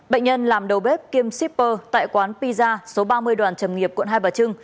bệnh nhân làm đầu bếp kiêm shipper tại quán pizza số ba mươi đoàn chầm nghiệp quận hai bà trưng